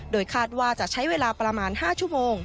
โดยคาดว่าจะใช้เวลาประมาณ๕ชั่วโมง